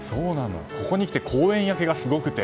ここにきて公園焼けがすごくて。